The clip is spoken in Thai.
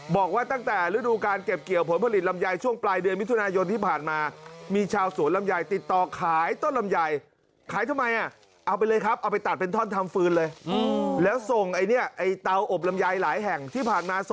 บอกว่าตั้งแต่ฤดูการเก็บเกี่ยวผลผลิตลำยายช่วงปลายเดือนมิถุนายนที่ผ่านมา